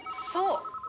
そう。